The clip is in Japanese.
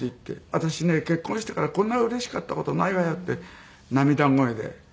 「私ね結婚してからこんなうれしかった事ないわよ」って涙声で。